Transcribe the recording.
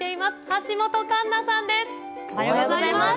橋本環おはようございます。